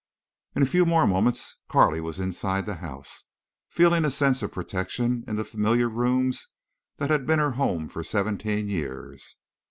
In a few more moments Carley was inside the house, feeling a sense of protection in the familiar rooms that had been her home for seventeen years.